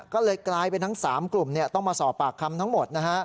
ก็เลยกลายเป็นทั้ง๓กลุ่มต้องมาสอบปากคำทั้งหมดนะฮะ